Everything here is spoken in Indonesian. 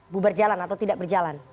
bubar jalan atau tidak berjalan